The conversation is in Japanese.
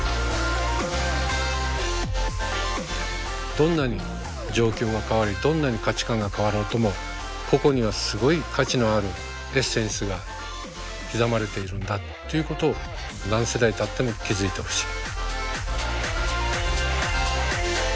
どんなに状況が変わりどんなに価値観が変わろうともここにはすごい価値のあるエッセンスが刻まれているんだっていうことを何世代たっても気付いてほしい。